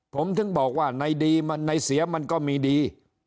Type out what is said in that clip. ผมถึงบอกว่าในดีในเสียมันก็มีดี